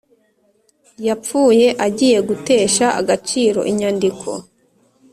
yapfuye agiye gutesha agaciro inyandiko